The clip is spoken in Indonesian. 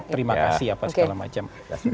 terima kasih apa segala macam